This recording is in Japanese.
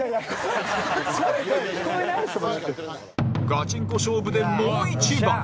ガチンコ勝負でもう一番